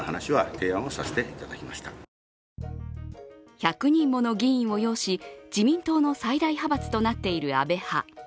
１００人もの議員を擁し自民党の最大派閥となっている安倍派。